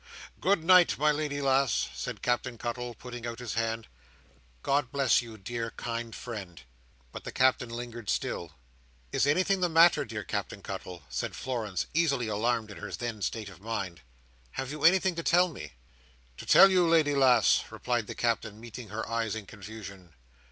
"Good night, my lady lass!" said Captain Cuttle, putting out his hand. "God bless you, dear, kind friend!" But the Captain lingered still. "Is anything the matter, dear Captain Cuttle?" said Florence, easily alarmed in her then state of mind. "Have you anything to tell me?" "To tell you, lady lass!" replied the Captain, meeting her eyes in confusion.